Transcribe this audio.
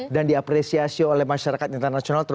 dan diapresiasi oleh masyarakat internasional